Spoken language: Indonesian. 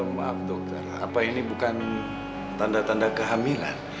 maaf dokter apa ini bukan tanda tanda kehamilan